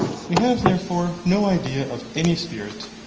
We have therefore no idea of any spirit.